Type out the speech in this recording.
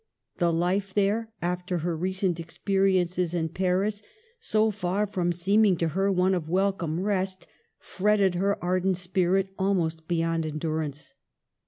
The life there, after her recent experiences in Paris, so far from seeming to her one of welcome rest, fretted her ardent spirit almost beyond endurance.